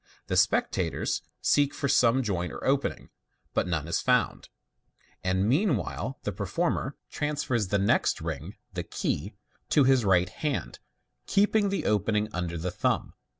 The spectators seek for some joint or opening, but none is found ; and meanwhile the performer Fig. 239. 404 MODERN MAGIC. transfers the next ring (the "key") to his right hand, k^< pi *ig the opening under the thumb.